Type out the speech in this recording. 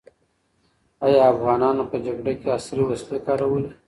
ایا افغانانو په جګړه کې عصري وسلې کارولې؟